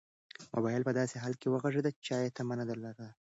موبایل په داسې حال کې وغږېد چې چا یې تمه نه لرله.